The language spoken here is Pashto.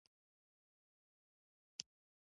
لکه د نوي ښار د تعمیراتو په برخو کې.